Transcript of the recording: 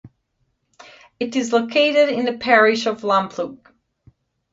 It is located in the Parish of Lamplugh.